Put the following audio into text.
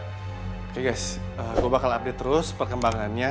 oke gus gue bakal update terus perkembangannya